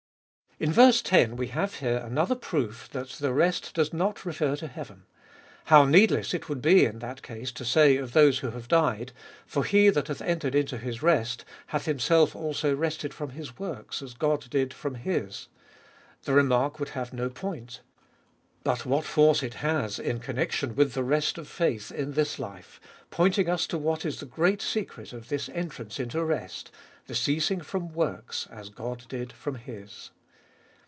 In ver. 10 we have here another proof that the rest does not refer to heaven. How needless it would be in that case to say of those who have died, For he that hath entered into his rest, hath himself also rested from his works, as God did from His. The remark would have no point. But what force it has in connection with the rest of faith in this life, pointing us to what is the great secret of this entrance into rest — the ceasing from works, as God did from His.